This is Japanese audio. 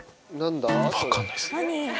分かんないですね。